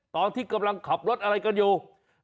ตอนที่กำลังขับรถอะไรกันอยู่